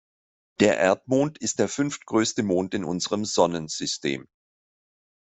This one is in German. Der Erdmond ist der fünftgrößte Mond in unserem Sonnensystem.